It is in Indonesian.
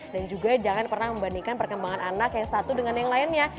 dan juga jangan pernah membandingkan perkembangan anak yang satu dengan yang lainnya